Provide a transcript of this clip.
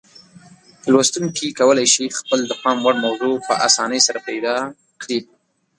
لوستونکي کولای شي خپله د پام وړ موضوع په اسانۍ پیدا کړي.